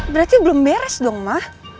berarti belum beres dong mah